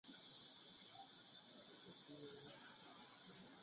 甘露聚糖结合凝集素是一种在先天免疫系统中起作用的凝集素。